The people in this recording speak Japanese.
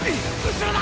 後ろだ！！